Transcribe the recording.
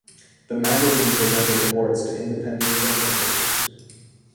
The magazine presented awards to Independent film makers.